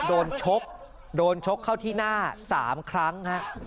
ชกโดนชกเข้าที่หน้า๓ครั้ง